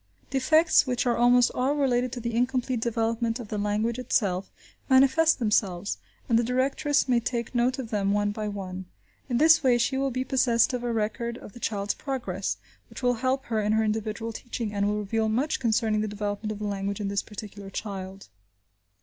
Defects, which are almost all related to the incomplete development of the language itself, manifest themselves, and the directress may take note of them one by one. In this way she will be possessed of a record of the child's progress, which will help her in her individual teaching, and will reveal much concerning the development of the language in this particular child.